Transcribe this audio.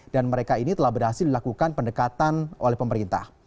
dan mereka ini telah berhasil dilakukan pendekatan oleh pemerintah